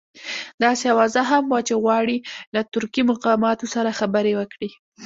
داسې اوازه هم وه چې غواړي له ترکي مقاماتو سره خبرې وکړي.